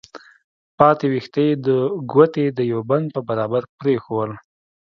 پاتې ويښته يې د ګوتې د يوه بند په برابر پرېښوول.